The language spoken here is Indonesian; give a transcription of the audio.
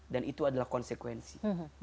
dan itu adalah konsekuensi